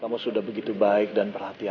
apakah kamu baik dengan dia